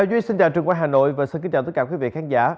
đào duy xin chào trường quán hà nội và xin kính chào tất cả quý vị khán giả